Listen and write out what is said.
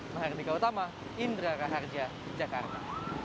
mahardika utama indra raharja jakarta